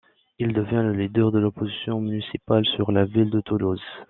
Il devient le leader de l'opposition municipale sur la ville de Toulouse.